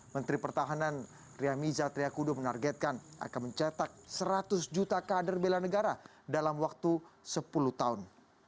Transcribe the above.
menteri pertahanan riyamizat riyakudu menargetkan akan mencetak seratus juta kader belan negara dalam waktu sepuluh tahun